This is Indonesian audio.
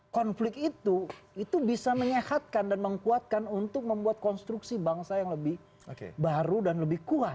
konflik itu itu bisa menyehatkan dan mengkuatkan untuk membuat konstruksi bangsa yang lebih baru dan lebih kuat